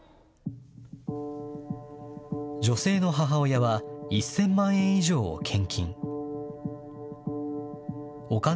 女性の母親は１０００万円以上を献金。